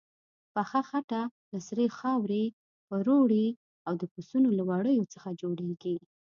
پخه خټه له سرې خاورې، پروړې او د پسونو له وړیو څخه جوړیږي.